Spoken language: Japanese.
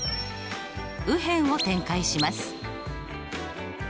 右辺を展開します。